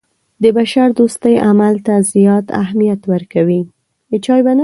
د بشردوستۍ عمل ته زیات اهمیت ورکوي.